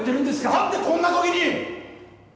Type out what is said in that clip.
なんでこんな時に！